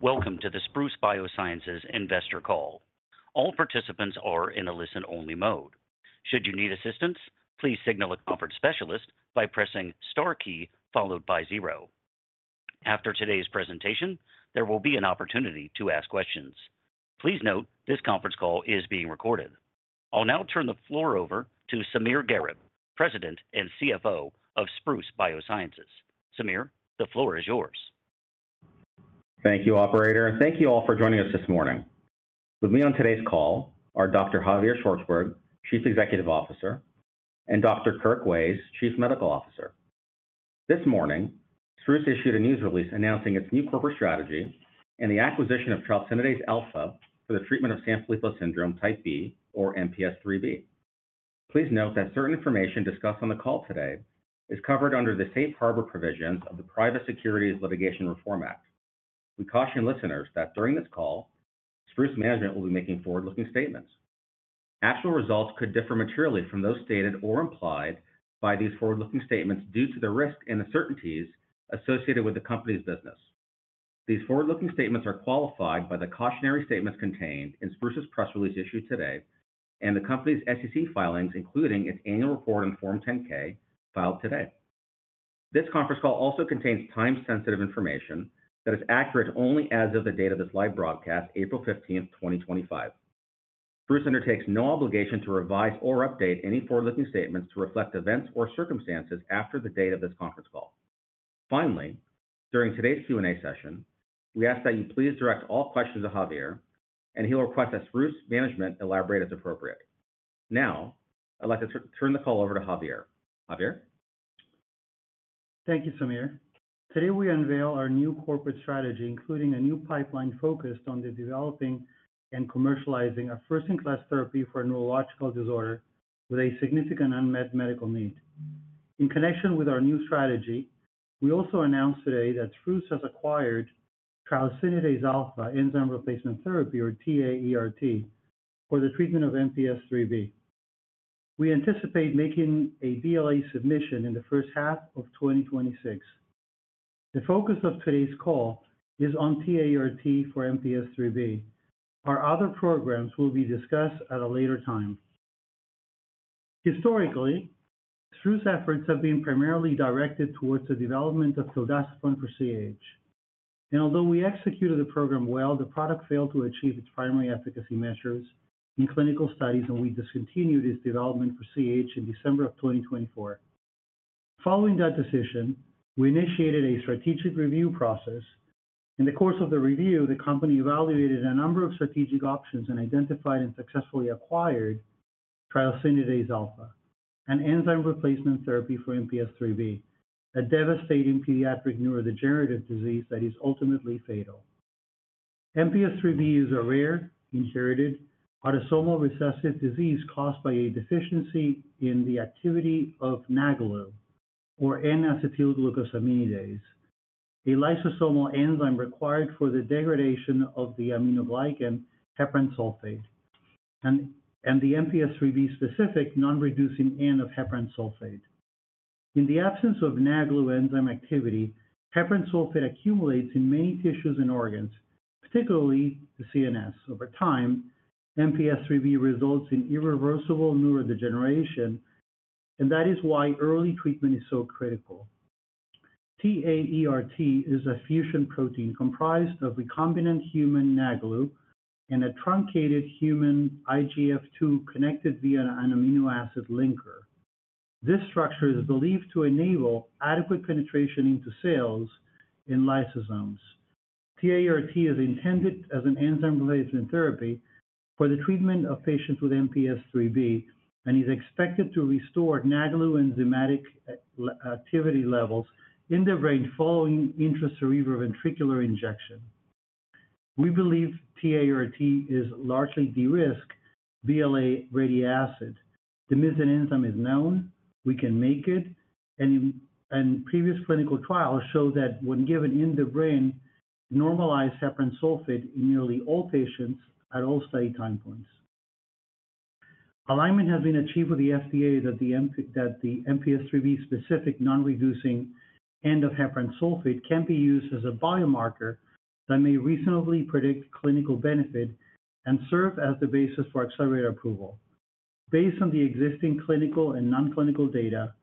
Welcome to the Spruce Biosciences investor call. All participants are in a listen-only mode. Should you need assistance, please signal a conference specialist by pressing the star key followed by zero. After today's presentation, there will be an opportunity to ask questions. Please note this conference call is being recorded. I'll now turn the floor over to Samir Gharib, President and CFO of Spruce Biosciences. Samir, the floor is yours. Thank you, Operator, and thank you all for joining us this morning. With me on today's call are Dr. Javier Szwarcberg, Chief Executive Officer, and Dr. Kirk Ways, Chief Medical Officer. This morning, Spruce issued a news release announcing its new corporate strategy and the acquisition of Tralesinidase Alfa for the treatment of Sanfilippo Syndrome Type B, or MPS IIIB. Please note that certain information discussed on the call today is covered under the Safe Harbor provisions of the Private Securities Litigation Reform Act. We caution listeners that during this call, Spruce management will be making forward-looking statements. Actual results could differ materially from those stated or implied by these forward-looking statements due to the risk and uncertainties associated with the company's business. These forward-looking statements are qualified by the cautionary statements contained in Spruce's press release issued today and the company's SEC filings, including its annual report on Form 10-K filed today. This conference call also contains time-sensitive information that is accurate only as of the date of this live broadcast, April 15, 2025. Spruce undertakes no obligation to revise or update any forward-looking statements to reflect events or circumstances after the date of this conference call. Finally, during today's Q&A session, we ask that you please direct all questions to Javier, and he'll request that Spruce management elaborate as appropriate. Now, I'd like to turn the call over to Javier. Javier? Thank you, Samir. Today we unveil our new corporate strategy, including a new pipeline focused on the developing and commercializing of first-in-class therapy for a neurological disorder with a significant unmet medical need. In connection with our new strategy, we also announced today that Spruce has acquired Tralesinidase Alfa enzyme replacement therapy, or TA-ERT, for the treatment of MPS IIIB. We anticipate making a BLA submission in the first half of 2026. The focus of today's call is on TA-ERT for MPS IIIB. Our other programs will be discussed at a later time. Historically, Spruce's efforts have been primarily directed towards the development of tildacerfont for CAH, and although we executed the program well, the product failed to achieve its primary efficacy measures in clinical studies, and we discontinued its development for CAH in December of 2024. Following that decision, we initiated a strategic review process. In the course of the review, the company evaluated a number of strategic options and identified and successfully acquired Tralesinidase Alfa, an enzyme replacement therapy for MPS IIIB, a devastating pediatric neurodegenerative disease that is ultimately fatal. MPS IIIB is a rare, inherited autosomal recessive disease caused by a deficiency in the activity of NAGLU, or N-acetyl-α-D-glucosaminidase, a lysosomal enzyme required for the degradation of the glycosaminoglycan heparan sulfate, and the MPS IIIB-specific non-reducing N of heparan sulfate. In the absence of NAGLU enzyme activity, heparan sulfate accumulates in many tissues and organs, particularly the CNS. Over time, MPS IIIB results in irreversible neurodegeneration, and that is why early treatment is so critical. TA-ERT is a fusion protein comprised of recombinant human NAGLU and a truncated human IGF2 connected via an amino acid linker. This structure is believed to enable adequate penetration into cells in lysosomes. TA-ERT is intended as an enzyme replacement therapy for the treatment of patients with MPS IIIB and is expected to restore NAGLU enzymatic activity levels in the brain following intracerebroventricular injection. We believe TA-ERT is largely de-risked BLA ready. The missing enzyme is known; we can make it, and previous clinical trials show that when given in the brain, normalized heparan sulfate in nearly all patients at all study time points. Alignment has been achieved with the FDA that the MPS IIIB-specific non-reducing end of heparan sulfate can be used as a biomarker that may reasonably predict clinical benefit and serve as the basis for accelerated approval. Based on the existing clinical and non-clinical data,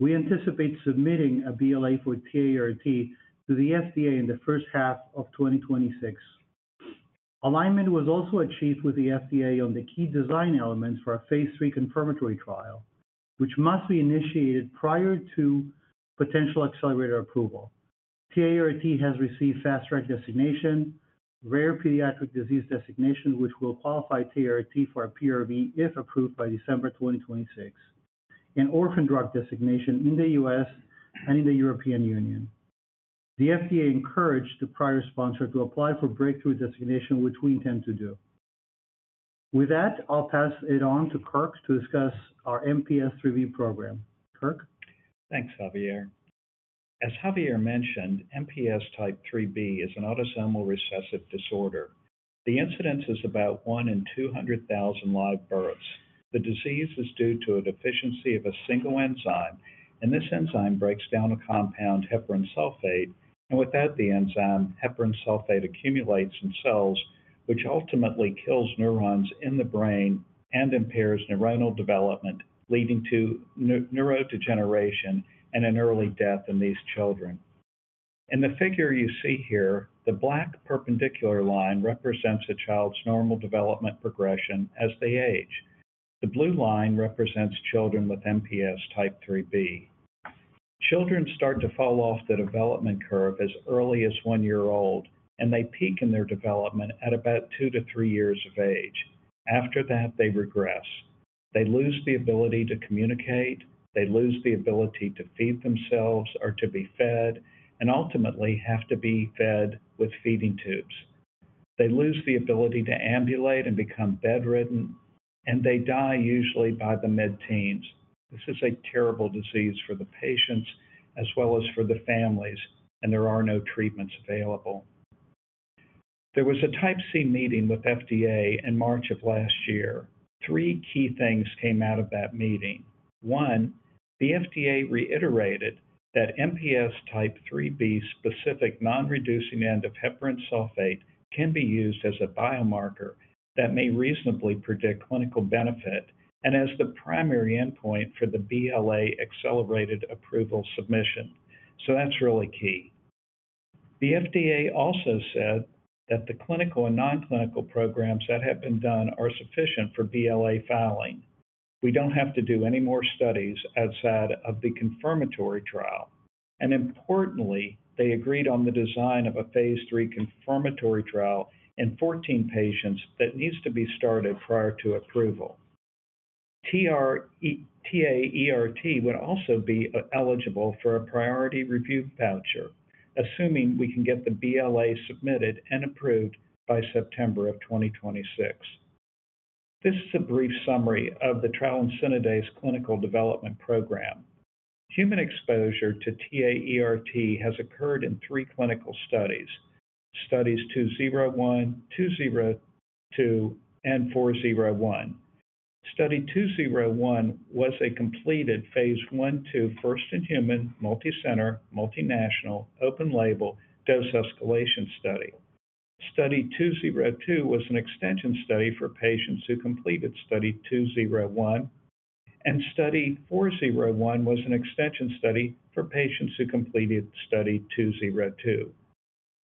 we anticipate submitting a BLA for TA-ERT to the FDA in the first half of 2026. Alignment was also achieved with the FDA on the key design elements for a phase III confirmatory trial, which must be initiated prior to potential accelerated approval. TA-ERT has received fast-track designation, rare pediatric disease designation, which will qualify TA-ERT for a PRV if approved by December 2026, and orphan drug designation in the and in the European Union. The FDA encouraged the prior sponsor to apply for breakthrough designation, which we intend to do. With that, I'll pass it on to Kirk to discuss our MPS IIIB program. Kirk? Thanks, Javier. As Javier mentioned, MPS Type IIIB is an autosomal recessive disorder. The incidence is about 1 in 200,000 live births. The disease is due to a deficiency of a single enzyme, and this enzyme breaks down a compound, heparan sulfate, and without the enzyme, heparan sulfate accumulates in cells, which ultimately kills neurons in the brain and impairs neuronal development, leading to neurodegeneration and an early death in these children. In the figure you see here, the black perpendicular line represents a child's normal development progression as they age. The blue line represents children with MPS Type IIIB. Children start to fall off the development curve as early as one year old, and they peak in their development at about two to three years of age. After that, they regress. They lose the ability to communicate, they lose the ability to feed themselves or to be fed, and ultimately have to be fed with feeding tubes. They lose the ability to ambulate and become bedridden, and they die usually by the mid-teens. This is a terrible disease for the patients as well as for the families, and there are no treatments available. There was a Type C meeting with the FDA in March of last year. Three key things came out of that meeting. One, the FDA reiterated that MPS IIIB-specific non-reducing N of heparan sulfate can be used as a biomarker that may reasonably predict clinical benefit and as the primary endpoint for the BLA accelerated approval submission. That is really key. The FDA also said that the clinical and non-clinical programs that have been done are sufficient for BLA filing. We don't have to do any more studies outside of the confirmatory trial. Importantly, they agreed on the design of a phase III confirmatory trial in 14 patients that needs to be started prior to approval. TA-ERT would also be eligible for a priority review voucher, assuming we can get the BLA submitted and approved by September of 2026. This is a brief summary of the Tralesinidase Alfa clinical development program. Human exposure to TA-ERT has occurred in three clinical studies: Studies 201, 202, and 401. Study 201 was a completed phase I-II first-in-human multicenter multinational open-label dose escalation study. Study 202 was an extension study for patients who completed Study 201, and Study 401 was an extension study for patients who completed Study 202.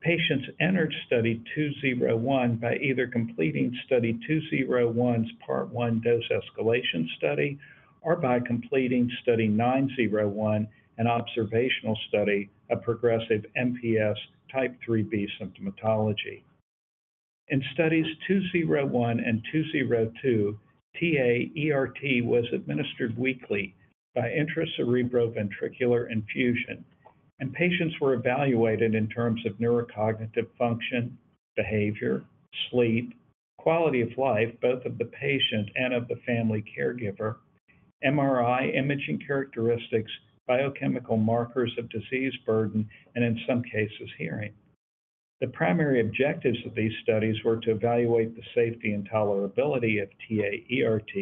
Patients entered Study 201 by either completing Study 201's Part I dose escalation study or by completing Study 901, an observational study of progressive MPS IIIB symptomatology. In Studies 201 and 202, TA-ERT was administered weekly by intracerebroventricular infusion, and patients were evaluated in terms of neurocognitive function, behavior, sleep, quality of life, both of the patient and of the family caregiver, MRI imaging characteristics, biochemical markers of disease burden, and in some cases, hearing. The primary objectives of these studies were to evaluate the safety and tolerability of TA-ERT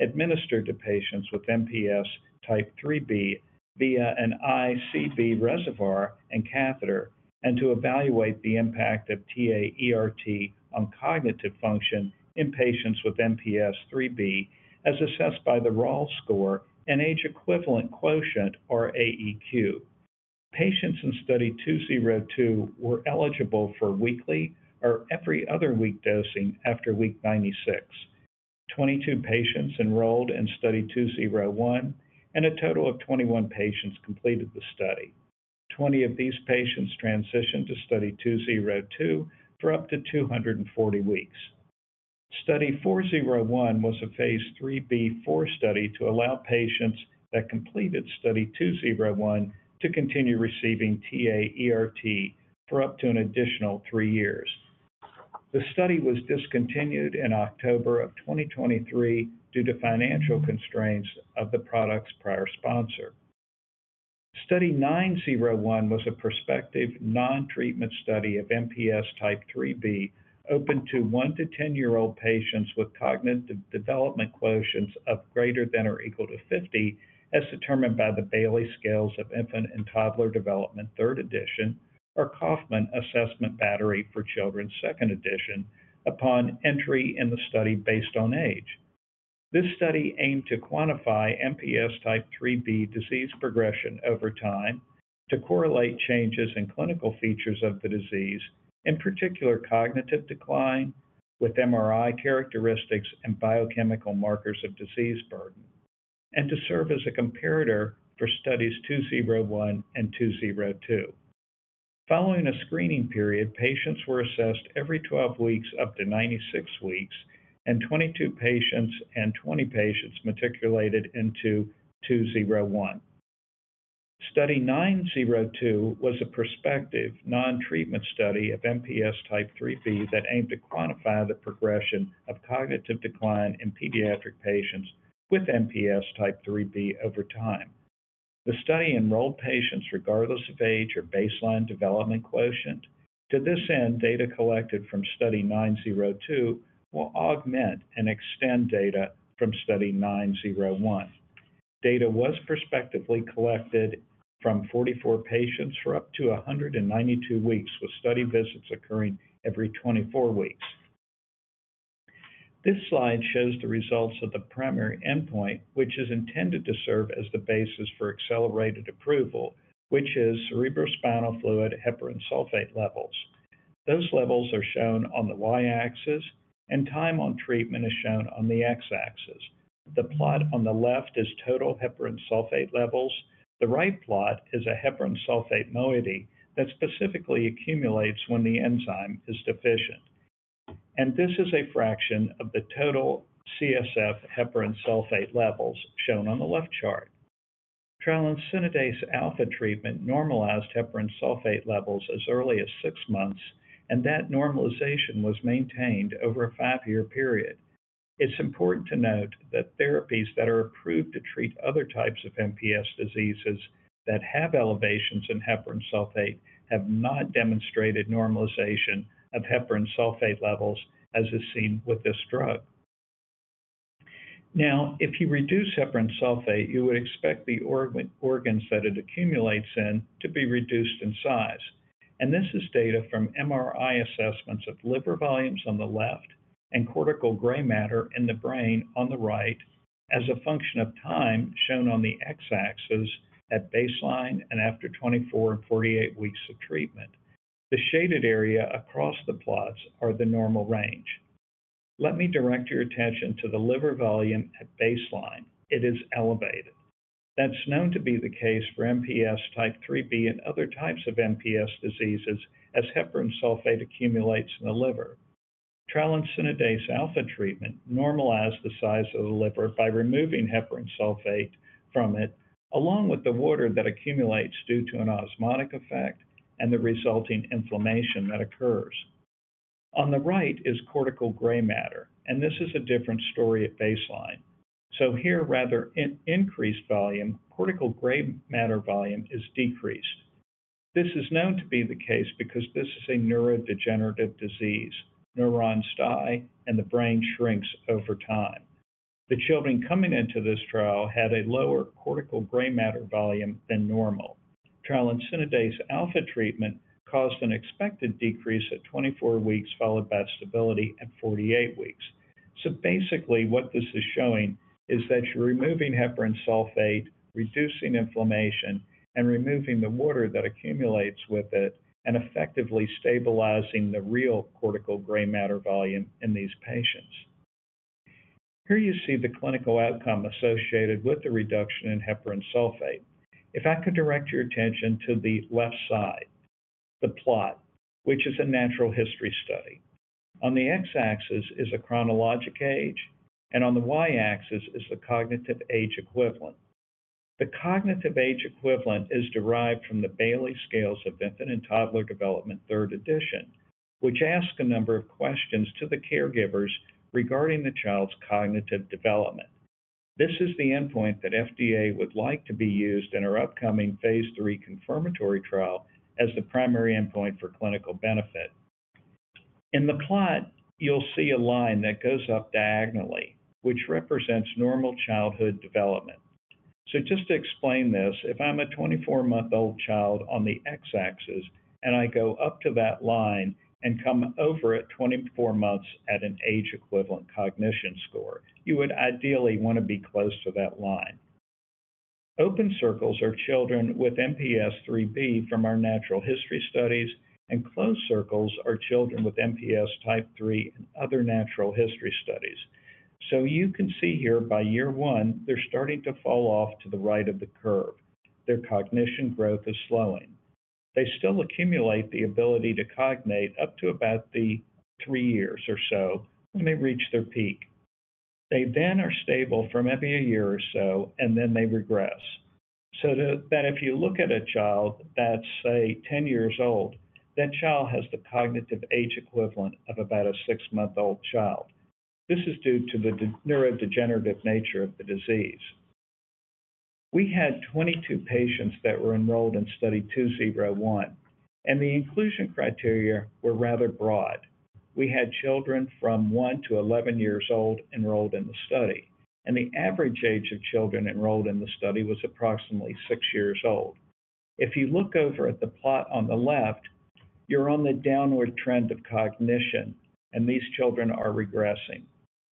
administered to patients with MPS IIIB via an ICV reservoir and catheter, and to evaluate the impact of TA-ERT on cognitive function in patients with MPS IIIB as assessed by the RAL score and age-equivalent quotient, or AEQ. Patients in Study 202 were eligible for weekly or every other week dosing after week 96. Twenty-two patients enrolled in Study 201, and a total of 21 patients completed the study. Twenty of these patients transitioned to Study 202 for up to 240 weeks. Study 401 was a phase IIIB IV study to allow patients that completed Study 201 to continue receiving TA-ERT for up to an additional three years. The study was discontinued in October of 2023 due to financial constraints of the product's prior sponsor. Study 901 was a prospective non-treatment study of MPS IIIB open to 1- to 10-year-old patients with cognitive development quotients of greater than or equal to 50, as determined by the Bayley Scales of Infant and Toddler Development, Third Edition, or Kauffman Assessment Battery for Children, Second Edition, upon entry in the study based on age. This study aimed to quantify MPS Type IIIB disease progression over time to correlate changes in clinical features of the disease, in particular cognitive decline with MRI characteristics and biochemical markers of disease burden, and to serve as a comparator for Studies 201 and 202. Following a screening period, patients were assessed every 12 weeks up to 96 weeks, and 22 patients and 20 patients matriculated into 201. Study 902 was a prospective non-treatment study of MPS Type IIIB that aimed to quantify the progression of cognitive decline in pediatric patients with MPS Type IIIB over time. The study enrolled patients regardless of age or baseline development quotient. To this end, data collected from Study 902 will augment and extend data from Study 901. Data was prospectively collected from 44 patients for up to 192 weeks, with study visits occurring every 24 weeks. This slide shows the results of the primary endpoint, which is intended to serve as the basis for accelerated approval, which is cerebrospinal fluid heparan sulfate levels. Those levels are shown on the Y-axis, and time on treatment is shown on the X-axis. The plot on the left is total heparan sulfate levels. The right plot is a heparan sulfate moiety that specifically accumulates when the enzyme is deficient. This is a fraction of the total CSF heparan sulfate levels shown on the left chart. Tralesinidase Alfa treatment normalized heparan sulfate levels as early as six months, and that normalization was maintained over a five-year period. It is important to note that therapies that are approved to treat other types of MPS diseases that have elevations in heparan sulfate have not demonstrated normalization of heparan sulfate levels, as is seen with this drug. Now, if you reduce heparan sulfate, you would expect the organs that it accumulates in to be reduced in size. This is data from MRI assessments of liver volumes on the left and cortical gray matter in the brain on the right, as a function of time shown on the X-axis at baseline and after 24 and 48 weeks of treatment. The shaded area across the plots are the normal range. Let me direct your attention to the liver volume at baseline. It is elevated. That is known to be the case for MPS IIIB and other types of MPS diseases as heparan sulfate accumulates in the liver. Tralesinidase Alfa treatment normalized the size of the liver by removing heparan sulfate from it, along with the water that accumulates due to an osmotic effect and the resulting inflammation that occurs. On the right is cortical gray matter, and this is a different story at baseline. Here, rather than increased volume, cortical gray matter volume is decreased. This is known to be the case because this is a neurodegenerative disease. Neurons die, and the brain shrinks over time. The children coming into this trial had a lower cortical gray matter volume than normal. Tralesinidase Alfa treatment caused an expected decrease at 24 weeks, followed by stability at 48 weeks. Basically, what this is showing is that you're removing heparan sulfate, reducing inflammation, and removing the water that accumulates with it, and effectively stabilizing the real cortical gray matter volume in these patients. Here you see the clinical outcome associated with the reduction in heparan sulfate. If I could direct your attention to the left side, the plot, which is a natural history study. On the X-axis is a chronologic age, and on the Y-axis is the cognitive age equivalent. The cognitive age equivalent is derived from the Bayley Scales of Infant and Toddler Development, Third Edition, which asks a number of questions to the caregivers regarding the child's cognitive development. This is the endpoint that FDA would like to be used in our upcoming phase III confirmatory trial as the primary endpoint for clinical benefit. In the plot, you'll see a line that goes up diagonally, which represents normal childhood development. Just to explain this, if I'm a 24-month-old child on the X-axis and I go up to that line and come over at 24 months at an age-equivalent cognition score, you would ideally want to be close to that line. Open circles are children with MPS IIIB from our natural history studies, and closed circles are children with MPS Type III from other natural history studies. You can see here, by year one, they're starting to fall off to the right of the curve. Their cognition growth is slowing. They still accumulate the ability to cognate up to about three years or so when they reach their peak. They then are stable for maybe a year or so, and then they regress. If you look at a child that's, say, 10 years old, that child has the cognitive age equivalent of about a six-month-old child. This is due to the neurodegenerative nature of the disease. We had 22 patients that were enrolled in Study 201, and the inclusion criteria were rather broad. We had children from one to 11 years old enrolled in the study, and the average age of children enrolled in the study was approximately six years old. If you look over at the plot on the left, you're on the downward trend of cognition, and these children are regressing.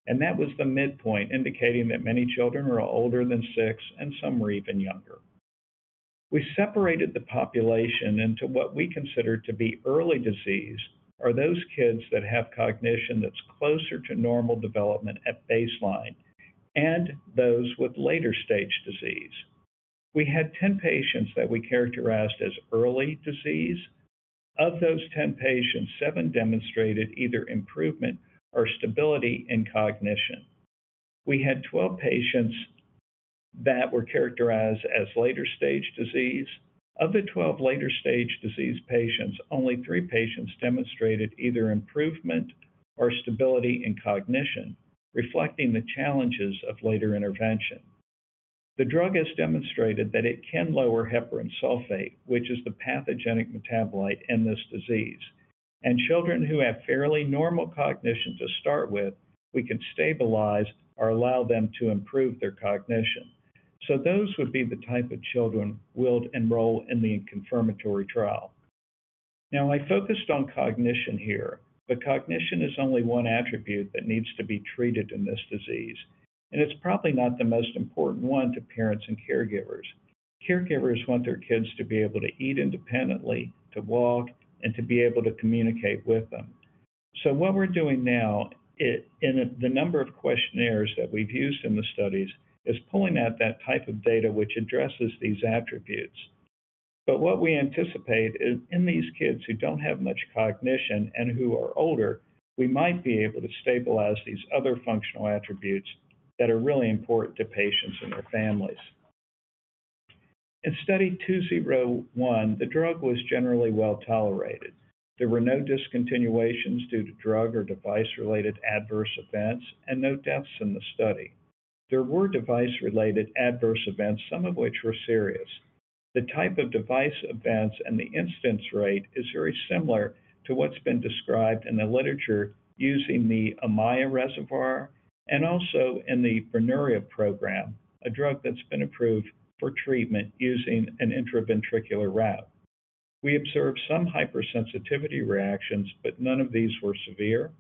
That was the midpoint, indicating that many children are older than six, and some were even younger. We separated the population into what we consider to be early disease, or those kids that have cognition that's closer to normal development at baseline, and those with later-stage disease. We had 10 patients that we characterized as early disease. Of those 10 patients, 7 demonstrated either improvement or stability in cognition. We had 12 patients that were characterized as later-stage disease. Of the 12 later-stage disease patients, only three patients demonstrated either improvement or stability in cognition, reflecting the challenges of later intervention. The drug has demonstrated that it can lower heparan sulfate, which is the pathogenic metabolite in this disease. Children who have fairly normal cognition to start with, we can stabilize or allow them to improve their cognition. Those would be the type of children we will enroll in the confirmatory trial. I focused on cognition here, but cognition is only one attribute that needs to be treated in this disease, and it is probably not the most important one to parents and caregivers. Caregivers want their kids to be able to eat independently, to walk, and to be able to communicate with them. What we're doing now, in the number of questionnaires that we've used in the studies, is pulling out that type of data which addresses these attributes. What we anticipate is, in these kids who don't have much cognition and who are older, we might be able to stabilize these other functional attributes that are really important to patients and their families. In Study 201, the drug was generally well tolerated. There were no discontinuations due to drug or device-related adverse events and no deaths in the study. There were device-related adverse events, some of which were serious. The type of device events and the incidence rate is very similar to what's been described in the literature using the Amaya reservoir and also in the Brineura program, a drug that's been approved for treatment using an intraventricular route. We observed some hypersensitivity reactions, but none of these were severe.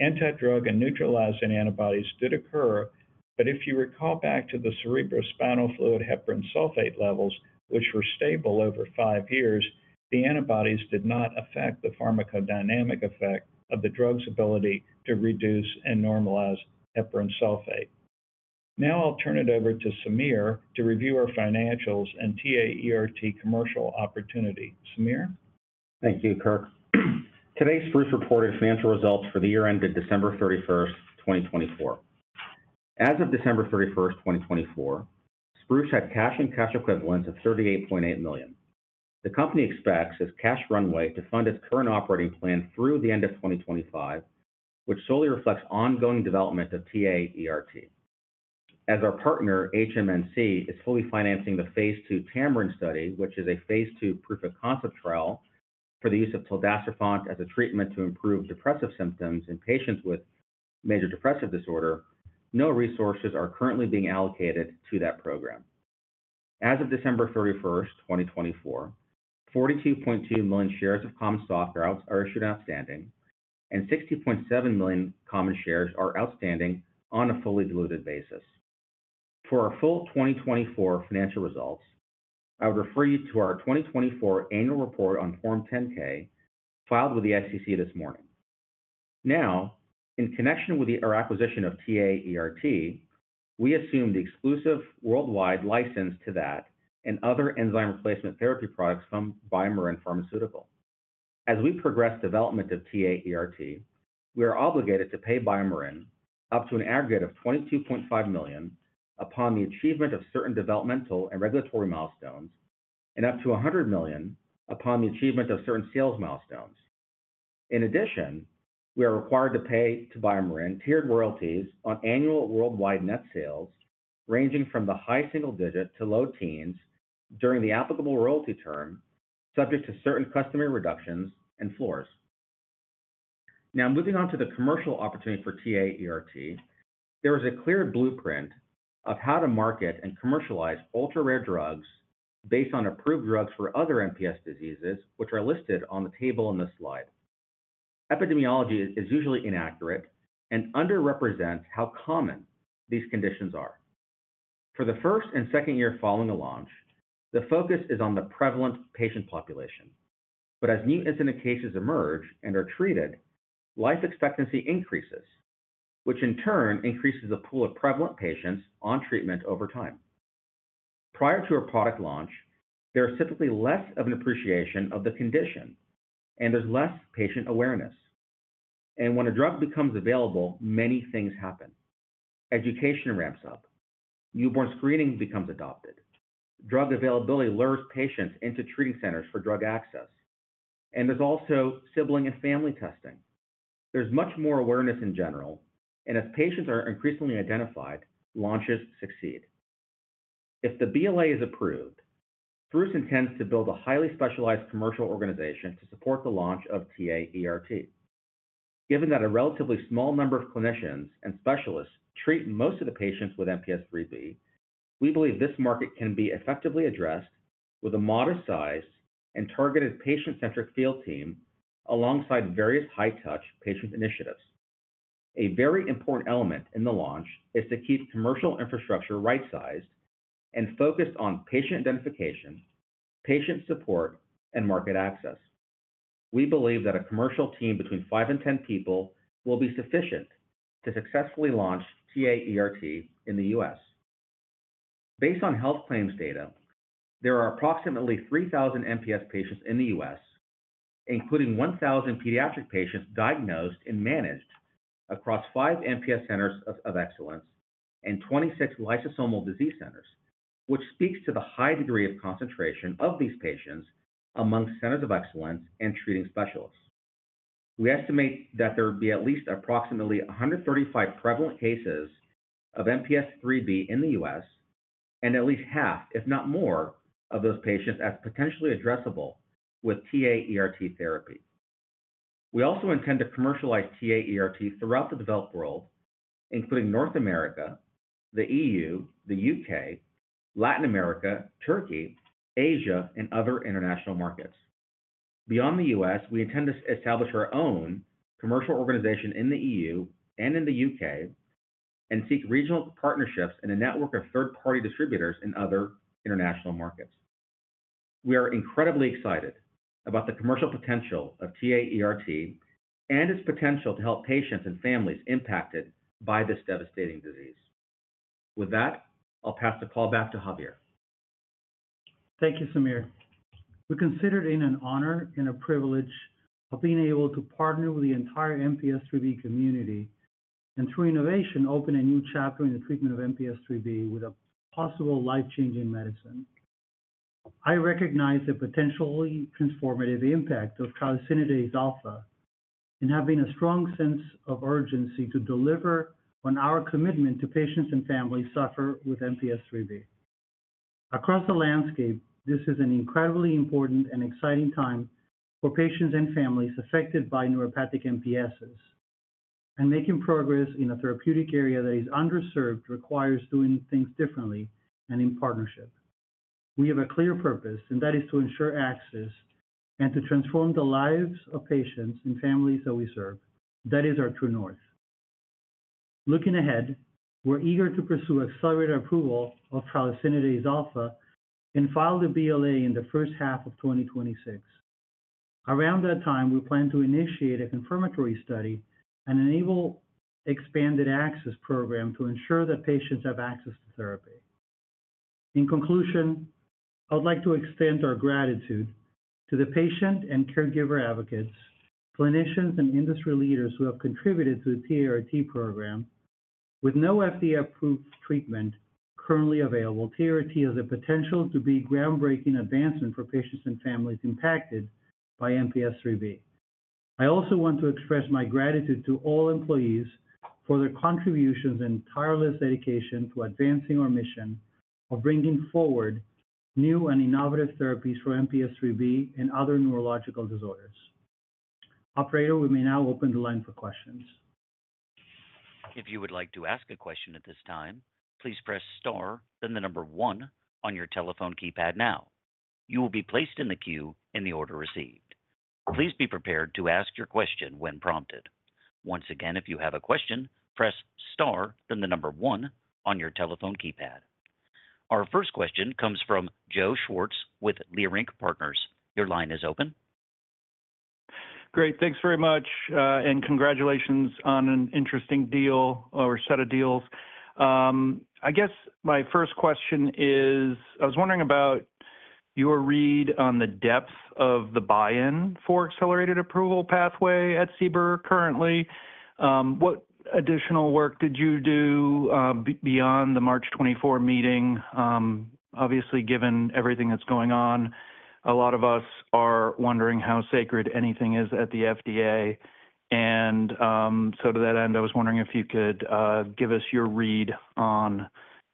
Antidrug and neutralizing antibodies did occur, but if you recall back to the cerebrospinal fluid heparan sulfate levels, which were stable over five years, the antibodies did not affect the pharmacodynamic effect of the drug's ability to reduce and normalize heparan sulfate. Now I'll turn it over to Samir to review our financials and TA-ERT commercial opportunity. Samir? Thank you, Kirk. Today Spruce reported financial results for the year ended December 31, 2024. As of December 31, 2024, Spruce had cash and cash equivalents of $38.8 million. The company expects its cash runway to fund its current operating plan through the end of 2025, which solely reflects ongoing development of TA-ERT. As our partner, HMNC, is fully financing the phase II Tamarin study, which is a phase II proof-of-concept trial for the use of tildacerfont as a treatment to improve depressive symptoms in patients with major depressive disorder, no resources are currently being allocated to that program. As of December 31, 2024, 42.2 million shares of common stock are issued and outstanding, and 60.7 million common shares are outstanding on a fully diluted basis. For our full 2024 financial results, I would refer you to our 2024 annual report on Form 10-K filed with the SEC this morning. Now, in connection with our acquisition of tralesinidase alfa enzyme replacement therapy (TA-ERT), we assume the exclusive worldwide license to that and other enzyme replacement therapy products from Biomarin Pharmaceutical. As we progress development of TA-ERT, we are obligated to pay Biomarin up to an aggregate of $22.5 million upon the achievement of certain developmental and regulatory milestones and up to $100 million upon the achievement of certain sales milestones. In addition, we are required to pay to Biomarin tiered royalties on annual worldwide net sales ranging from the high single digit to low teens during the applicable royalty term, subject to certain customary reductions and floors. Now, moving on to the commercial opportunity for TA-ERT, there is a clear blueprint of how to market and commercialize ultra-rare drugs based on approved drugs for other MPS diseases, which are listed on the table in this slide. Epidemiology is usually inaccurate and underrepresents how common these conditions are. For the first and second year following a launch, the focus is on the prevalent patient population. As new incident cases emerge and are treated, life expectancy increases, which in turn increases the pool of prevalent patients on treatment over time. Prior to a product launch, there is typically less of an appreciation of the condition, and there is less patient awareness. When a drug becomes available, many things happen. Education ramps up. Newborn screening becomes adopted. Drug availability lures patients into treating centers for drug access. There is also sibling and family testing. There is much more awareness in general, and as patients are increasingly identified, launches succeed. If the BLA is approved, Spruce intends to build a highly specialized commercial organization to support the launch of TA-ERT. Given that a relatively small number of clinicians and specialists treat most of the patients with MPS IIIB, we believe this market can be effectively addressed with a modest size and targeted patient-centric field team alongside various high-touch patient initiatives. A very important element in the launch is to keep commercial infrastructure right-sized and focused on patient identification, patient support, and market access. We believe that a commercial team between five and 10 people will be sufficient to successfully launch TA-ERT in the U.S. Based on health claims data, there are approximately 3,000 MPS patients in the U.S., including 1,000 pediatric patients diagnosed and managed across five MPS centers of excellence and 26 lysosomal disease centers, which speaks to the high degree of concentration of these patients among centers of excellence and treating specialists. We estimate that there would be at least approximately 135 prevalent cases of MPS IIIB in the U.S., and at least half, if not more, of those patients as potentially addressable with TA-ERT therapy. We also intend to commercialize TA-ERT throughout the developed world, including North America, the EU, the U.K., Latin America, Turkey, Asia, and other international markets. Beyond the U.S., we intend to establish our own commercial organization in the EU and in the U.K. and seek regional partnerships in a network of third-party distributors in other international markets. We are incredibly excited about the commercial potential of TA-ERT and its potential to help patients and families impacted by this devastating disease. With that, I'll pass the call back to Javier. Thank you, Samir. We consider it an honor and a privilege of being able to partner with the entire MPS IIIB community and, through innovation, open a new chapter in the treatment of MPS IIIB with a possible life-changing medicine. I recognize the potentially transformative impact of tralesinidase alfa and have a strong sense of urgency to deliver on our commitment to patients and families suffering with MPS IIIB. Across the landscape, this is an incredibly important and exciting time for patients and families affected by neuropathic MPSs. Making progress in a therapeutic area that is underserved requires doing things differently and in partnership. We have a clear purpose, and that is to ensure access and to transform the lives of patients and families that we serve. That is our true north. Looking ahead, we're eager to pursue accelerated approval of tralesinidase alfa and file the BLA in the first half of 2026. Around that time, we plan to initiate a confirmatory study and enable an expanded access program to ensure that patients have access to therapy. In conclusion, I would like to extend our gratitude to the patient and caregiver advocates, clinicians, and industry leaders who have contributed to the TA-ERT program. With no FDA-approved treatment currently available, TA-ERT has the potential to be a groundbreaking advancement for patients and families impacted by MPS IIIB. I also want to express my gratitude to all employees for their contributions and tireless dedication to advancing our mission of bringing forward new and innovative therapies for MPS IIIB and other neurological disorders. Operator, we may now open the line for questions. If you would like to ask a question at this time, please press Star, then the number 1 on your telephone keypad now. You will be placed in the queue in the order received. Please be prepared to ask your question when prompted. Once again, if you have a question, press Star, then the number 1 on your telephone keypad. Our first question comes from Joe Schwartz with Leerink Partners. Your line is open. Great. Thanks very much, and congratulations on an interesting deal or set of deals. I guess my first question is, I was wondering about your read on the depth of the buy-in for accelerated approval pathway at CBER currently. What additional work did you do beyond the March 24 meeting? Obviously, given everything that's going on, a lot of us are wondering how sacred anything is at the FDA. To that end, I was wondering if you could give us your read on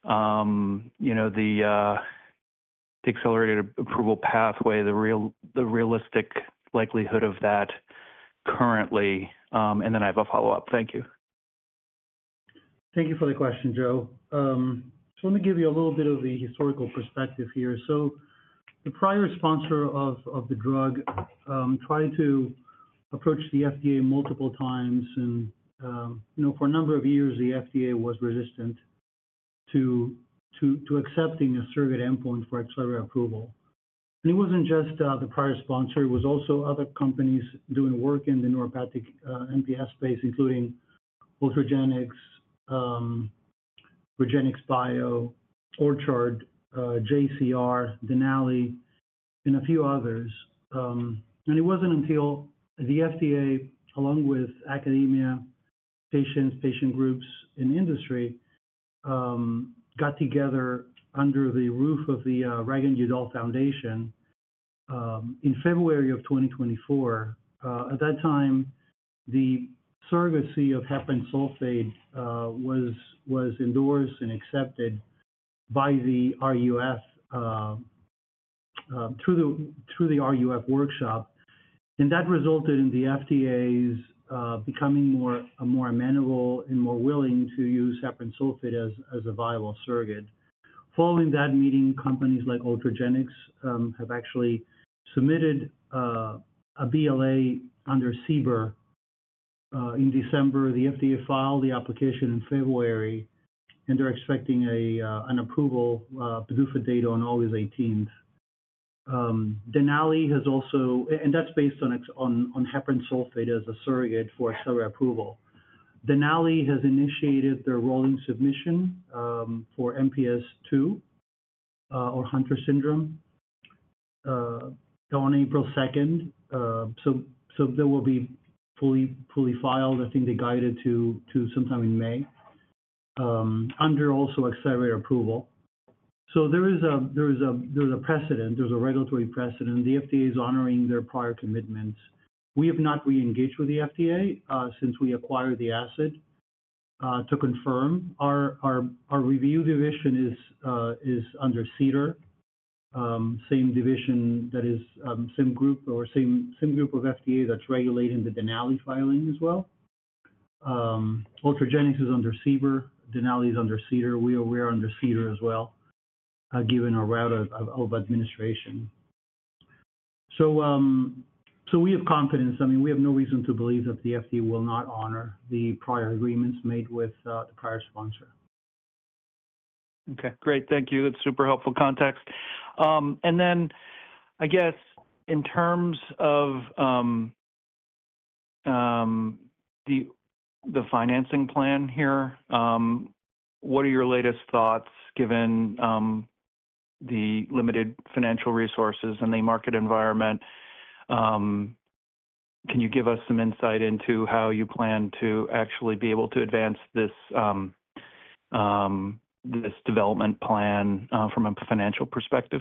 the accelerated approval pathway, the realistic likelihood of that currently. I have a follow-up. Thank you. Thank you for the question, Joe. Let me give you a little bit of the historical perspective here. The prior sponsor of the drug tried to approach the FDA multiple times, and for a number of years, the FDA was resistant to accepting a surrogate endpoint for accelerated approval. It was not just the prior sponsor. It was also other companies doing work in the neuropathic MPS space, including Ultragenyx, Regenxbio, Orchard, JCR, Denali, and a few others. It was not until the FDA, along with academia, patients, patient groups, and industry, got together under the roof of the Reagan-Udall Foundation in February of 2024. At that time, the surrogacy of heparan sulfate was endorsed and accepted by the RUF through the RUF workshop. That resulted in the FDA's becoming more amenable and more willing to use heparan sulfate as a viable surrogate. Following that meeting, companies like Ultragenyx have actually submitted a BLA under CBER in December. The FDA filed the application in February, and they're expecting an approval brief of data on August 18. Denali has also, and that's based on heparan sulfate as a surrogate for accelerated approval. Denali has initiated their rolling submission for MPS II, or Hunter syndrome, on April 2. They will be fully filed. I think they guided to sometime in May under also accelerated approval. There is a precedent. There is a regulatory precedent. The FDA is honoring their prior commitments. We have not re-engaged with the FDA since we acquired the asset to confirm. Our review division is under Cedar, same division that is same group or same group of FDA that's regulating the Denali filing as well. Ultragenyx is under CBER. Denali is under Cedar. We are under Cedar as well, given our route of administration. I mean, we have confidence. I mean, we have no reason to believe that the FDA will not honor the prior agreements made with the prior sponsor. Okay. Great. Thank you. That's super helpful context. I guess in terms of the financing plan here, what are your latest thoughts given the limited financial resources and the market environment? Can you give us some insight into how you plan to actually be able to advance this development plan from a financial perspective?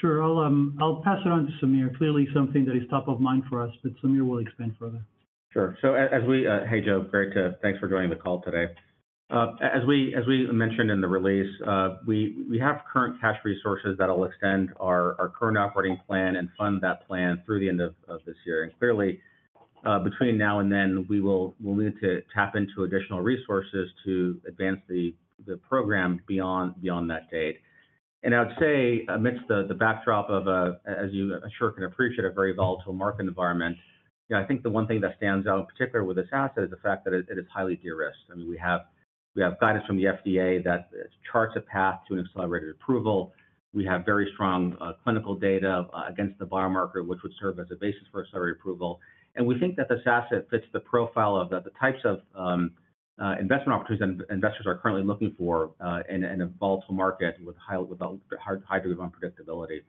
Sure. I'll pass it on to Samir. Clearly, something that is top of mind for us, but Samir will expand further. Sure. Hey, Joe. Great. Thanks for joining the call today. As we mentioned in the release, we have current cash resources that will extend our current operating plan and fund that plan through the end of this year. Clearly, between now and then, we will need to tap into additional resources to advance the program beyond that date. I would say, amidst the backdrop of, as you sure can appreciate, a very volatile market environment, I think the one thing that stands out in particular with this asset is the fact that it is highly de-risked. I mean, we have guidance from the FDA that charts a path to an accelerated approval. We have very strong clinical data against the biomarker, which would serve as a basis for accelerated approval. We think that this asset fits the profile of the types of investment opportunities that investors are currently looking for in a volatile market with a high degree of unpredictability.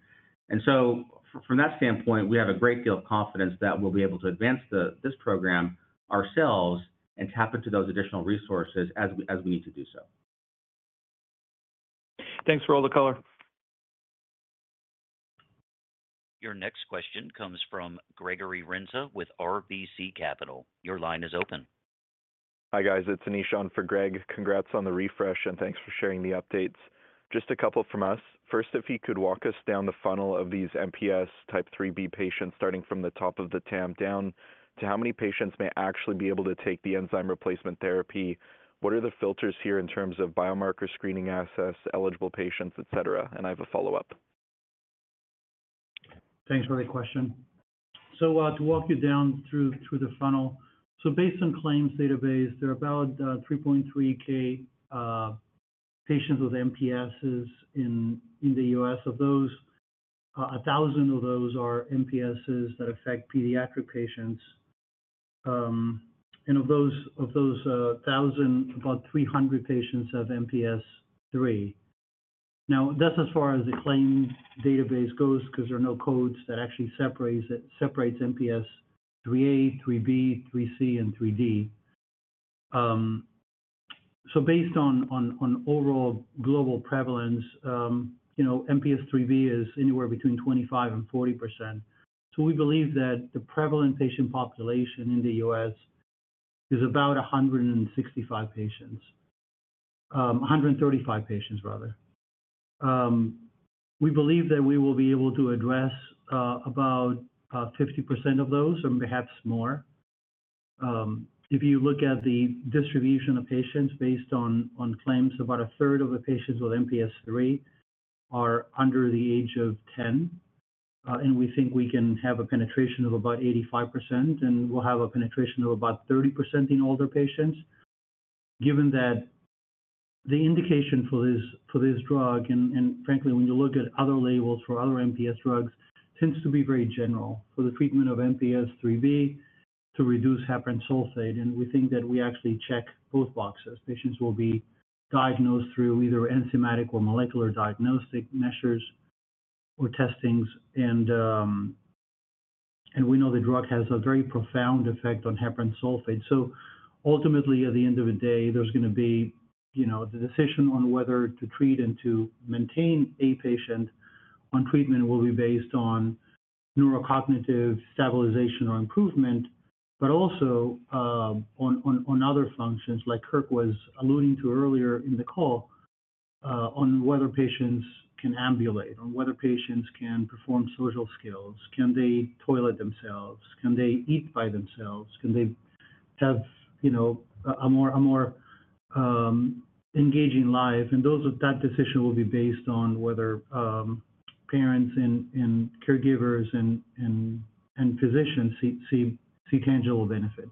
From that standpoint, we have a great deal of confidence that we'll be able to advance this program ourselves and tap into those additional resources as we need to do so. Thanks for all the color. Your next question comes from Gregory Renza with RBC Capital Markets. Your line is open. Hi guys. It's Anishan for Greg. Congrats on the refresh, and thanks for sharing the updates. Just a couple from us. First, if you could walk us down the funnel of these MPS IIIB patients starting from the top of the TAM down to how many patients may actually be able to take the enzyme replacement therapy. What are the filters here in terms of biomarker screening assets, eligible patients, etc.? I have a follow-up. Thanks for the question. To walk you down through the funnel, based on claims database, there are about 3,300 patients with MPSs in the U.S. Of those, 1,000 of those are MPSs that affect pediatric patients. Of those 1,000, about 300 patients have MPS 3. That's as far as the claims database goes because there are no codes that actually separate MPS IIIA, IIIB, IIIC, and IIID. Based on overall global prevalence, MPS IIIB is anywhere between 25% and 40%. We believe that the prevalent patient population in the U.S. is about 135 patients. We believe that we will be able to address about 50% of those and perhaps more. If you look at the distribution of patients based on claims, about a third of the patients with MPS IIIB are under the age of 10. We think we can have a penetration of about 85%, and we'll have a penetration of about 30% in older patients, given that the indication for this drug, and frankly, when you look at other labels for other MPS drugs, tends to be very general for the treatment of MPS IIIB to reduce heparan sulfate. We think that we actually check both boxes. Patients will be diagnosed through either enzymatic or molecular diagnostic measures or testings. We know the drug has a very profound effect on heparan sulfate. Ultimately, at the end of the day, there's going to be the decision on whether to treat and to maintain a patient on treatment will be based on neurocognitive stabilization or improvement, but also on other functions, like Kirk was alluding to earlier in the call, on whether patients can ambulate, on whether patients can perform social skills, can they toilet themselves, can they eat by themselves, can they have a more engaging life. That decision will be based on whether parents and caregivers and physicians see tangible benefit.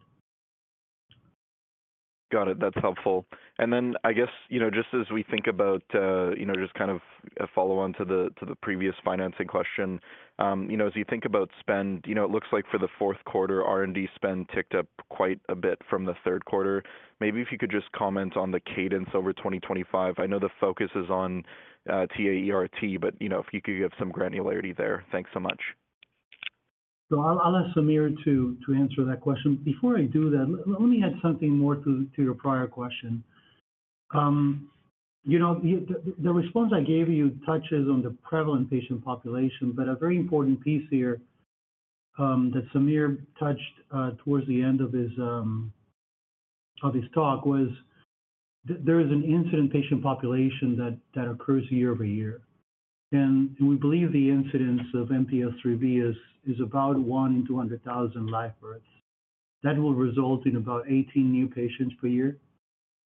Got it. That's helpful. I guess just as we think about just kind of a follow-on to the previous financing question, as you think about spend, it looks like for the fourth quarter, R&D spend ticked up quite a bit from the third quarter. Maybe if you could just comment on the cadence over 2025. I know the focus is on TA-ERT, but if you could give some granularity there. Thanks so much. I'll ask Samir to answer that question. Before I do that, let me add something more to your prior question. The response I gave you touches on the prevalent patient population, but a very important piece here that Samir touched towards the end of his talk was there is an incident patient population that occurs year over year. We believe the incidence of MPS IIIB is about 1 in 200,000 live births. That will result in about 18 new patients per year.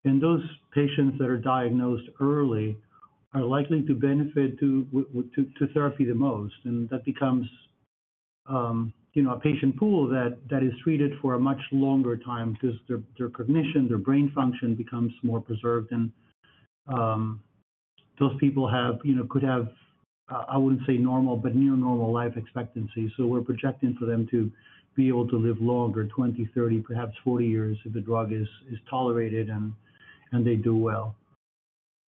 Those patients that are diagnosed early are likely to benefit from therapy the most. That becomes a patient pool that is treated for a much longer time because their cognition, their brain function becomes more preserved. Those people could have, I wouldn't say normal, but near normal life expectancies. We're projecting for them to be able to live longer, 20, 30, perhaps 40 years if the drug is tolerated and they do well.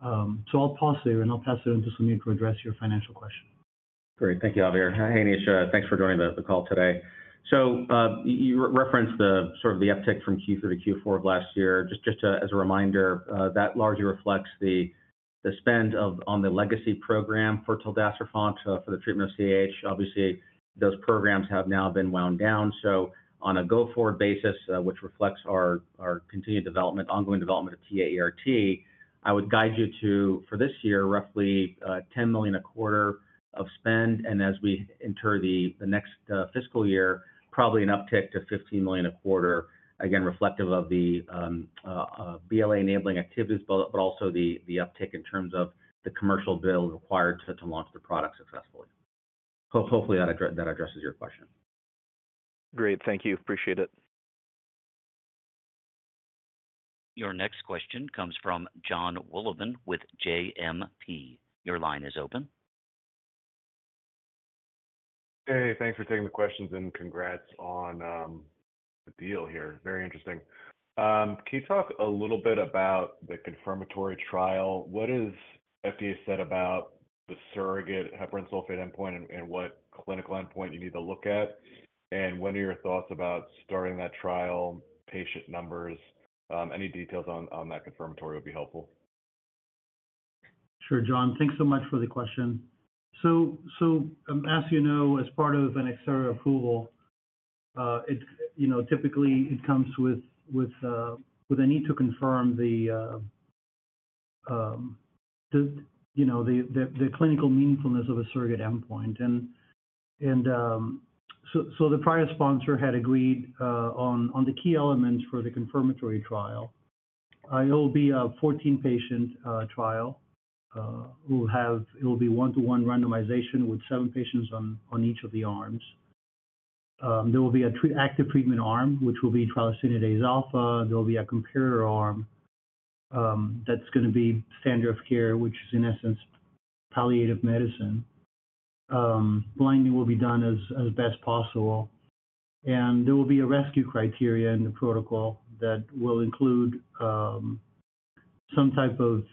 I'll pause there, and I'll pass it on to Samir to address your financial question. Great. Thank you, Javier. Hey, Anishan. Thanks for joining the call today. You referenced sort of the uptick from Q3 to Q4 of last year. Just as a reminder, that largely reflects the spend on the legacy program for tildacerfont for the treatment of CAH. Obviously, those programs have now been wound down. On a go-forward basis, which reflects our ongoing development of TA-ERT, I would guide you to, for this year, roughly $10 million a quarter of spend. As we enter the next fiscal year, probably an uptick to $15 million a quarter, again, reflective of the BLA enabling activities, but also the uptick in terms of the commercial bill required to launch the product successfully. Hopefully, that addresses your question. Great. Thank you. Appreciate it. Your next question comes from John Willoughby with JMP. Your line is open. Hey, thanks for taking the questions and congrats on the deal here. Very interesting. Can you talk a little bit about the confirmatory trial? What has FDA said about the surrogate heparan sulfate endpoint and what clinical endpoint you need to look at? What are your thoughts about starting that trial, patient numbers? Any details on that confirmatory would be helpful. Sure, John. Thanks so much for the question. As you know, as part of an accelerated approval, typically, it comes with a need to confirm the clinical meaningfulness of a surrogate endpoint. The prior sponsor had agreed on the key elements for the confirmatory trial. It will be a 14-patient trial. It will be one-to-one randomization with seven patients on each of the arms. There will be an active treatment arm, which will be Tralesinidase Alfa. There will be a comparator arm that's going to be standard of care, which is, in essence, palliative medicine. Blinding will be done as best possible. There will be a rescue criteria in the protocol that will include some type of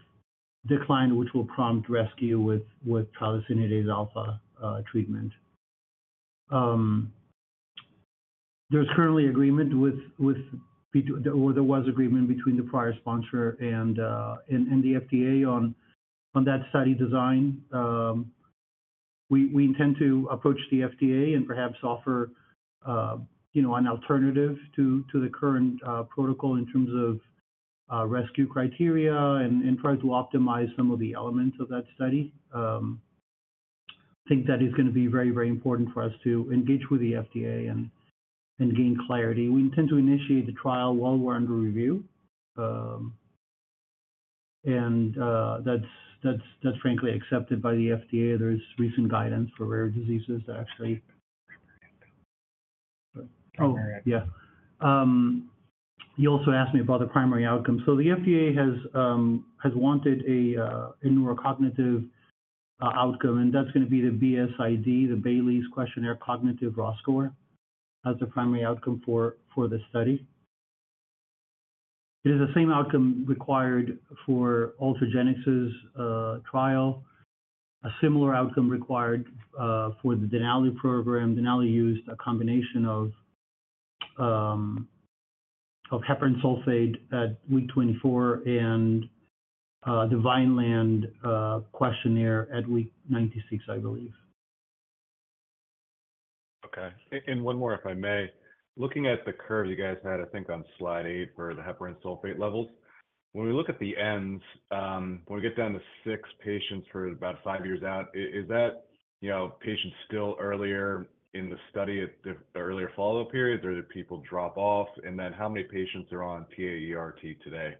decline, which will prompt rescue with Tralesinidase Alfa treatment. There's currently agreement with, or there was agreement between the prior sponsor and the FDA on that study design. We intend to approach the FDA and perhaps offer an alternative to the current protocol in terms of rescue criteria and try to optimize some of the elements of that study. I think that is going to be very, very important for us to engage with the FDA and gain clarity. We intend to initiate the trial while we're under review. That's frankly accepted by the FDA. There is recent guidance for rare diseases that actually—oh, yeah. You also asked me about the primary outcome. The FDA has wanted a neurocognitive outcome, and that's going to be the BSID, the Bayley Scales Cognitive Raw Score, as the primary outcome for the study. It is the same outcome required for Ultragenyx's trial. A similar outcome required for the Denali program. Denali used a combination of heparan sulfate at week 24 and the Vineland questionnaire at week 96, I believe. Okay. And one more, if I may. Looking at the curve you guys had, I think on slide 8 for the heparan sulfate levels, when we look at the ends, when we get down to six patients for about five years out, is that patients still earlier in the study at the earlier follow-up period? Or do people drop off? And then how many patients are on TA-ERT today?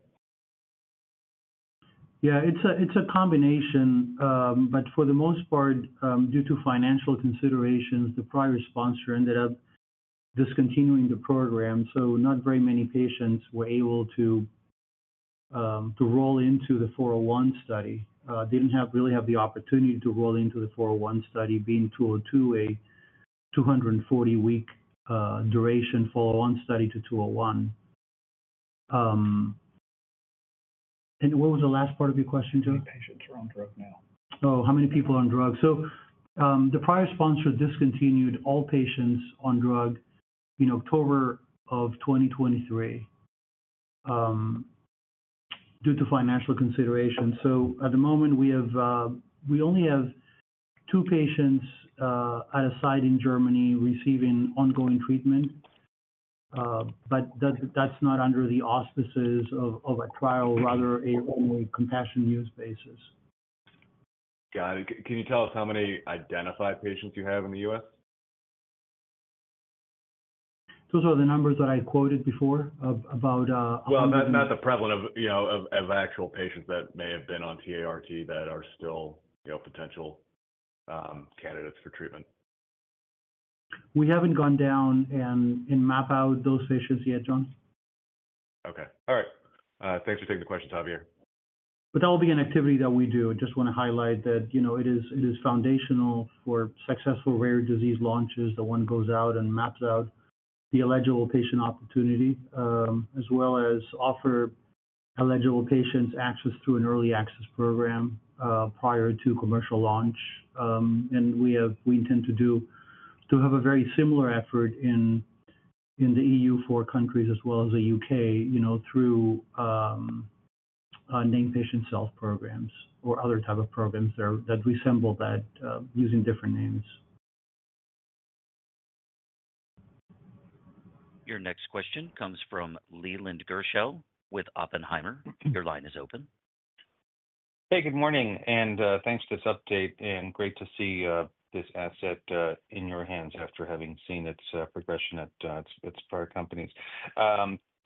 Yeah. It's a combination. For the most part, due to financial considerations, the prior sponsor ended up discontinuing the program. Not very many patients were able to roll into the 401 study. They did not really have the opportunity to roll into the 401 study, being 202, a 240-week duration 401 study to 201. What was the last part of your question, Joe? How many patients are on drug now? Oh, how many people are on drug? The prior sponsor discontinued all patients on drug in October of 2023 due to financial considerations. At the moment, we only have two patients at a site in Germany receiving ongoing treatment. That is not under the auspices of a trial, rather a compassion use basis. Got it. Can you tell us how many identified patients you have in the U.S.? Those are the numbers that I quoted before about—well, not the prevalent of actual patients that may have been on TA-ERT that are still potential candidates for treatment. We have not gone down and mapped out those patients yet, John. Okay. All right. Thanks for taking the question, Javier. That will be an activity that we do. I just want to highlight that it is foundational for successful rare disease launches. The one goes out and maps out the eligible patient opportunity, as well as offer eligible patients access through an early access program prior to commercial launch. We intend to have a very similar effort in the EU for countries as well as the U.K. through name patient self programs or other type of programs that resemble that using different names. Your next question comes from Leland Gershell with Oppenheimer. Your line is open. Hey, good morning. Thanks for this update. Great to see this asset in your hands after having seen its progression at its prior companies.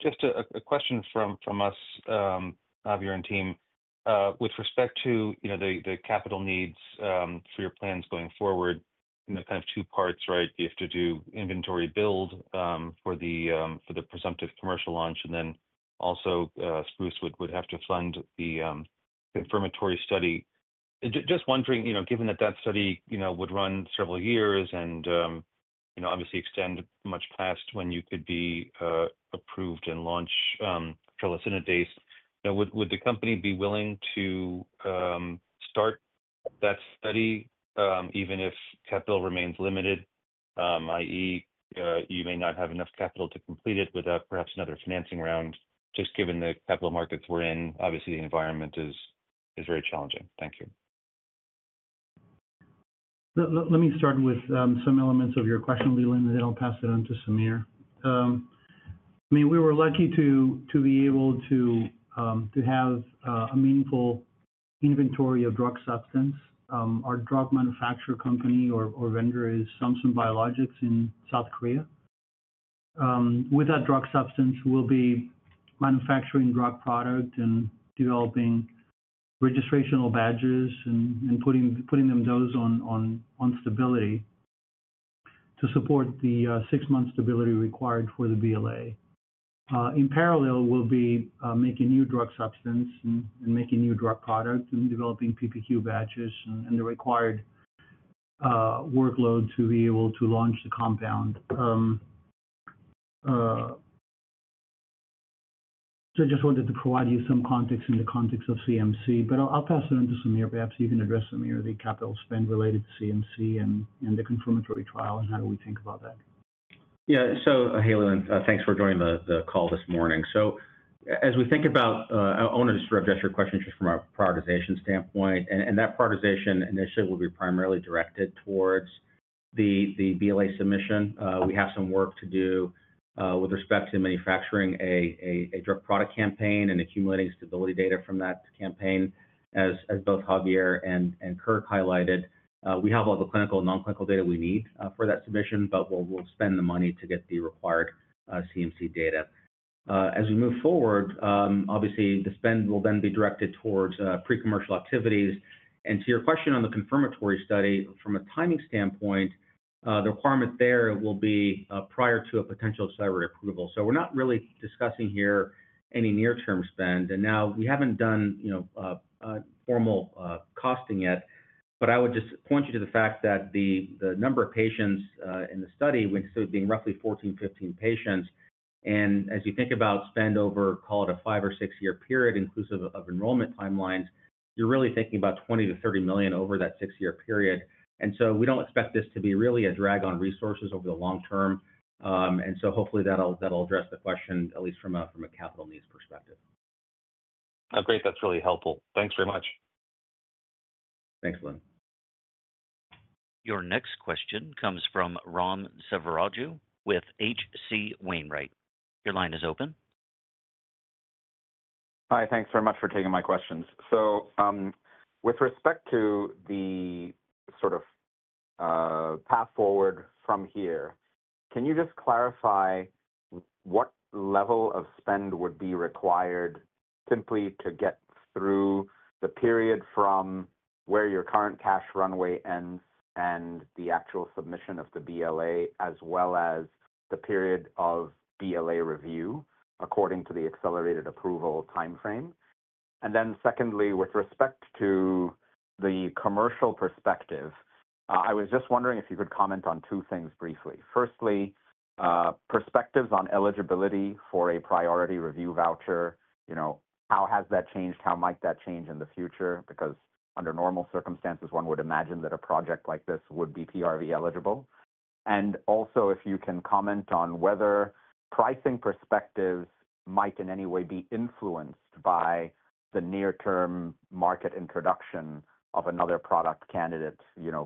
Just a question from us, Javier and team, with respect to the capital needs for your plans going forward, kind of two parts, right? You have to do inventory build for the presumptive commercial launch, and then also Spruce would have to fund the confirmatory study. Just wondering, given that that study would run several years and obviously extend much past when you could be approved and launch Tralesinidase, would the company be willing to start that study even if capital remains limited, i.e., you may not have enough capital to complete it without perhaps another financing round? Just given the capital markets we're in, obviously, the environment is very challenging. Thank you. Let me start with some elements of your question, Leland, and then I'll pass it on to Samir. I mean, we were lucky to be able to have a meaningful inventory of drug substance. Our drug manufacturer company or vendor is Samsung Biologics in South Korea. With that drug substance, we'll be manufacturing drug product and developing registrational batches and putting them on stability to support the six-month stability required for the BLA. In parallel, we'll be making new drug substance and making new drug product and developing PPQ batches and the required workload to be able to launch the compound. I just wanted to provide you some context in the context of CMC. I'll pass it on to Samir. Perhaps you can address, Samir, the capital spend related to CMC and the confirmatory trial and how we think about that. Yeah. Hey Leland, thanks for joining the call this morning. As we think about—I wanted to just address your question just from a prioritization standpoint. That prioritization initially will be primarily directed towards the BLA submission. We have some work to do with respect to manufacturing a drug product campaign and accumulating stability data from that campaign. As both Javier and Kirk highlighted, we have all the clinical and non-clinical data we need for that submission, but we'll spend the money to get the required CMC data. As we move forward, obviously, the spend will then be directed towards pre-commercial activities. To your question on the confirmatory study, from a timing standpoint, the requirement there will be prior to a potential accelerated approval. We're not really discussing here any near-term spend. We haven't done formal costing yet, but I would just point you to the fact that the number of patients in the study would still be roughly 14-15 patients. As you think about spend over, call it a five or six-year period, inclusive of enrollment timelines, you're really thinking about $20 million-$30 million over that six-year period. We do not expect this to be really a drag on resources over the long term. Hopefully, that will address the question, at least from a capital needs perspective. Great. That is really helpful. Thanks very much. Thanks, Leland. Your next question comes from Ram Selvaraju with H.C. Wainwright. Your line is open. Hi. Thanks very much for taking my questions. With respect to the sort of path forward from here, can you just clarify what level of spend would be required simply to get through the period from where your current cash runway ends and the actual submission of the BLA, as well as the period of BLA review according to the accelerated approval timeframe? Secondly, with respect to the commercial perspective, I was just wondering if you could comment on two things briefly. Firstly, perspectives on eligibility for a priority review voucher. How has that changed? How might that change in the future? Because under normal circumstances, one would imagine that a project like this would be PRV eligible. Also, if you can comment on whether pricing perspectives might in any way be influenced by the near-term market introduction of another product candidate.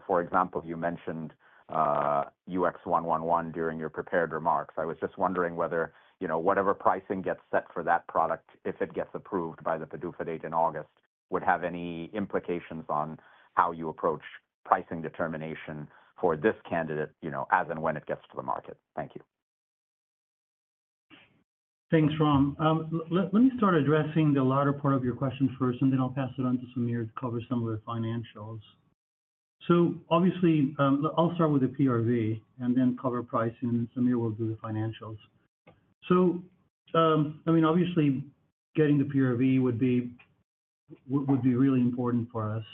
For example, you mentioned UX111 during your prepared remarks. I was just wondering whether whatever pricing gets set for that product, if it gets approved by the PDUFA date in August, would have any implications on how you approach pricing determination for this candidate as and when it gets to the market. Thank you. Thanks, Ram. Let me start addressing the latter part of your question first, and then I'll pass it on to Samir to cover some of the financials. I'll start with the PRV and then cover pricing, and then Samir will do the financials. I mean, obviously, getting the PRV would be really important for us.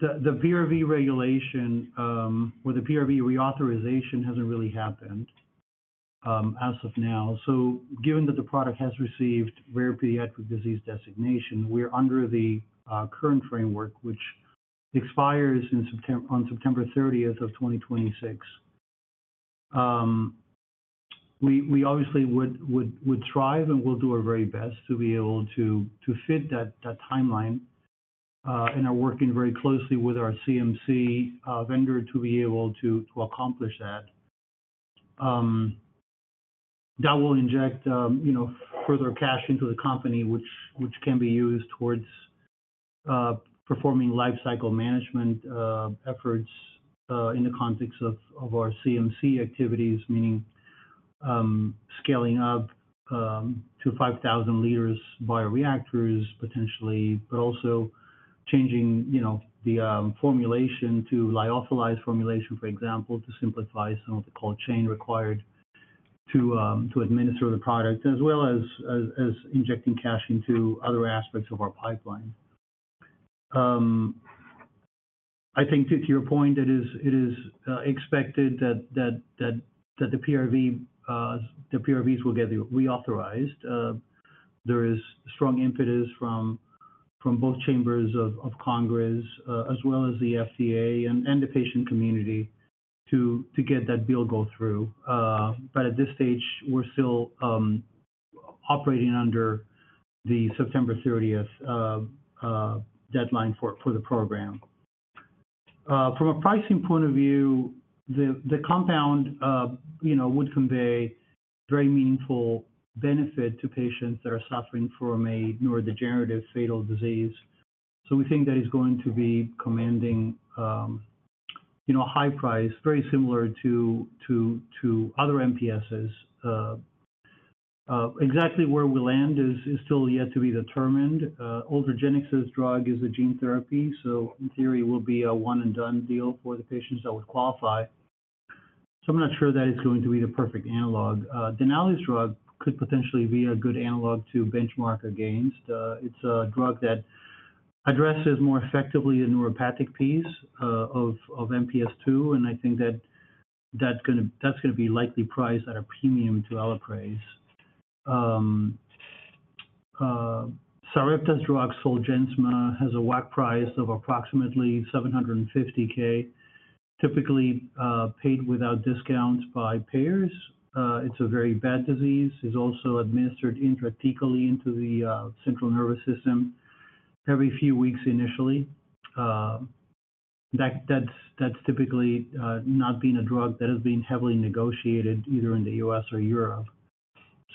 The PRV regulation or the PRV reauthorization hasn't really happened as of now. Given that the product has received rare pediatric disease designation, we're under the current framework, which expires on September 30, 2026. We obviously would strive, and we'll do our very best to be able to fit that timeline. We're working very closely with our CMC vendor to be able to accomplish that. That will inject further cash into the company, which can be used towards performing lifecycle management efforts in the context of our CMC activities, meaning scaling up to 5,000 liters bioreactors potentially, but also changing the formulation to lyophilized formulation, for example, to simplify some of the cold chain required to administer the product, as well as injecting cash into other aspects of our pipeline. I think to your point, it is expected that the PRVs will get reauthorized. There is strong impetus from both chambers of Congress, as well as the FDA and the patient community to get that bill go through. At this stage, we're still operating under the September 30th deadline for the program. From a pricing point of view, the compound would convey very meaningful benefit to patients that are suffering from a neurodegenerative fatal disease. We think that is going to be commanding a high price, very similar to other MPSs. Exactly where we'll land is still yet to be determined. Ultragenyx's drug is a gene therapy. In theory, it will be a one-and-done deal for the patients that would qualify. I'm not sure that it's going to be the perfect analog. Denali's drug could potentially be a good analog to benchmark against. It's a drug that addresses more effectively the neuropathic piece of MPS II. I think that's going to be likely priced at a premium to Alipraz. Sarepta's drug, ZOLGENSMA, has a WAC price of approximately $750,000, typically paid without discounts by payers. It's a very bad disease. It's also administered intrathecally into the central nervous system every few weeks initially. That's typically not been a drug that has been heavily negotiated either in the or Europe.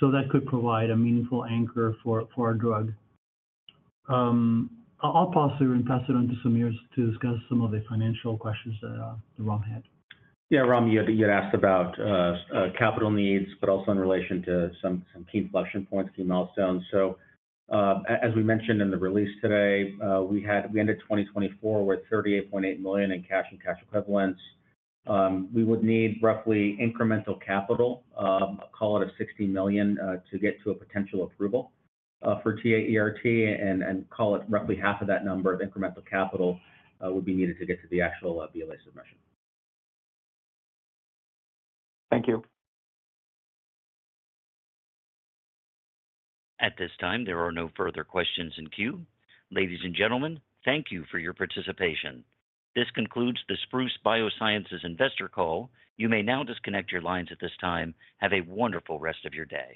That could provide a meaningful anchor for our drug. I'll pause here and pass it on to Samir to discuss some of the financial questions that Ram had. Yeah, Ram, you had asked about capital needs, but also in relation to some key inflection points, key milestones. As we mentioned in the release today, we ended 2024 with $38.8 million in cash and cash equivalents. We would need roughly incremental capital, call it $60 million, to get to a potential approval for TA-ERT, and call it roughly half of that number of incremental capital would be needed to get to the actual BLA submission. Thank you. At this time, there are no further questions in queue. Ladies and gentlemen, thank you for your participation. This concludes the Spruce Biosciences Investor Call. You may now disconnect your lines at this time. Have a wonderful rest of your day.